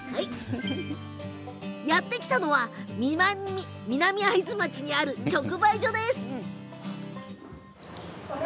やって来たのは南会津町にある直売所です。